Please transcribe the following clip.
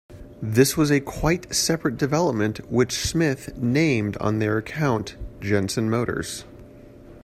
This was a quite separate development which Smith named on their account Jensen Motors.